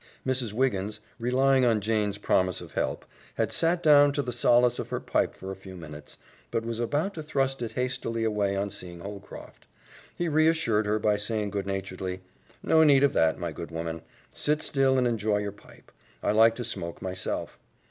Mrs. Wiggins, relying on Jane's promise of help, had sat down to the solace of her pipe for a few minutes, but was about to thrust it hastily away on seeing Holcroft. He reassured her by saying good naturedly, "No need of that, my good woman. Sit still and enjoy your pipe. I like to smoke myself.